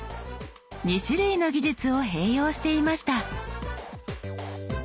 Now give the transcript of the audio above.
２種類の技術を併用していました。